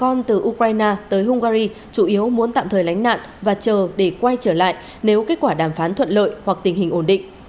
con từ ukraine tới hungary chủ yếu muốn tạm thời lánh nạn và chờ để quay trở lại nếu kết quả đàm phán thuận lợi hoặc tình hình ổn định